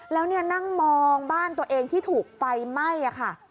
แล้วเนี่ยนั่งมองบ้านตัวเองที่ถูกไฟไหม้ค่ะ